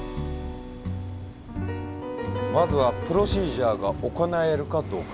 まずはプロシージャーが行えるかどうか。